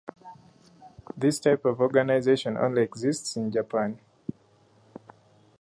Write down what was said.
This type of organization only exists in Japan.